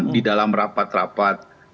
di dalam rapat rapat